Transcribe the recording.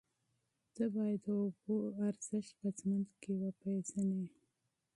ته باید د اوبو اهمیت په ژوند کې پېژنه.